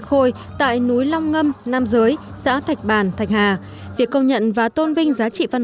khôi tại núi long ngâm nam giới xã thạch bàn thạch hà việc công nhận và tôn vinh giá trị văn